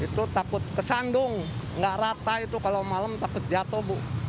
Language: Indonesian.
itu takut kesandung nggak rata itu kalau malam takut jatuh bu